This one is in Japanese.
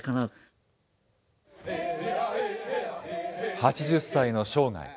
８０歳の生涯。